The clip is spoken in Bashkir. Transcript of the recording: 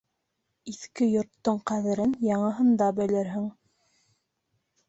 Иҫке йорттоң ҡәҙерен яңыһында белерһең.